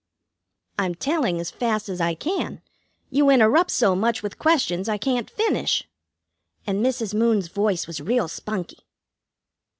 "I'm telling as fast as I can. You interrupt so much with questions I can't finish." And Mrs. Moon's voice was real spunky.